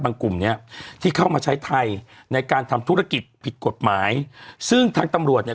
กลุ่มเนี้ยที่เข้ามาใช้ไทยในการทำธุรกิจผิดกฎหมายซึ่งทางตำรวจเนี่ย